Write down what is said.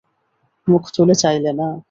মুখ তুলে চাইলে না।